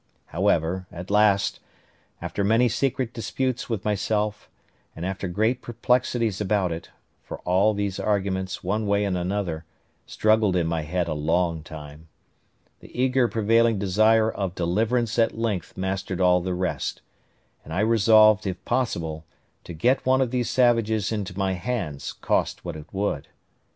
However, at last, after many secret disputes with myself, and after great perplexities about it (for all these arguments, one way and another, struggled in my head a long time), the eager prevailing desire of deliverance at length mastered all the rest; and I resolved, if possible, to get one of these savages into my hands, cost what it would.